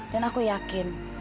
dan aku yakin